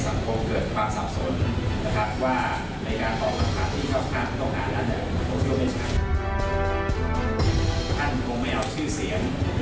ท่านคงไม่เอาชื่อเสียง